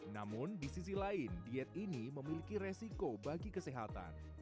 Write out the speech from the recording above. namun di sisi lain diet ini memiliki resiko bagi kesehatan